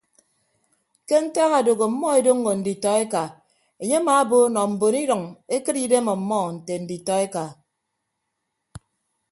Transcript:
Ke ntak adooho ọmmọ edoñño nditọ eka enye amaabo nọ mbon idʌñ ekịt idem ọmmọ nte nditọeka.